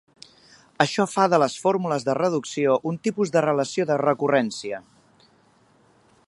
Això fa de les fórmules de reducció un tipus de relació de recurrència.